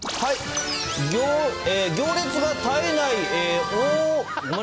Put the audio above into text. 行列が絶えない！